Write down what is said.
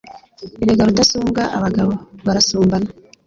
erega rudasumbwa abagabo barasumbana